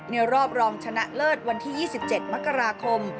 รอบรองชนะเลิศวันที่๒๗มกราคม